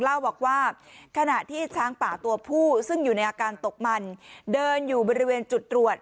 เล่าบอกว่าขณะที่ช้างป่าตัวผู้ซึ่งอยู่ในอาการตกมันเดินอยู่บริเวณจุดตรวจ